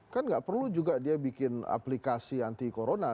kan nggak perlu juga dia bikin aplikasi anti corona